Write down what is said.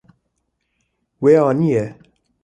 We aniye.